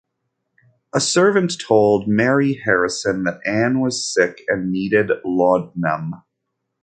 A servant told Mary Harrison that Ann was sick and needed laudanum.